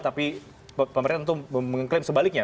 tapi pemerintah tentu mengklaim sebaliknya